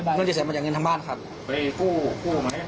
เงินจะเสริมมาจากเงินทางบ้านครับไปกู้กู้ไหม